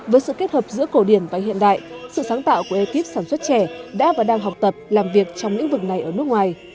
với sự kết hợp giữa cổ điển và hiện đại sự sáng tạo của ekip sản xuất trẻ đã và đang học tập làm việc trong lĩnh vực này ở nước ngoài